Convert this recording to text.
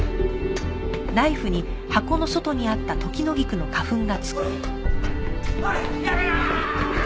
おいやめろーっ！